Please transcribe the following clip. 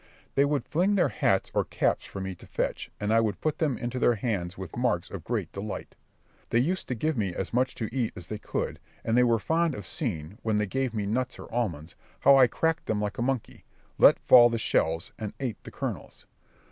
They would fling their hats or caps for me to fetch, and I would put them into their hands with marks of great delight. They used to give me as much to eat as they could; and they were fond of seeing, when they gave me nuts or almonds, how I cracked them like a monkey, let fall the shells, and ate the kernels.